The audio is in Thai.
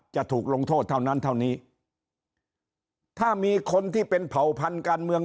จะถูกลงโทษเท่านั้นเท่านี้ถ้ามีคนที่เป็นเผ่าพันธุ์การเมือง